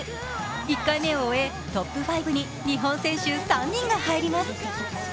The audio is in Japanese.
１回目を終え、トップ５に日本選手３人が入ります。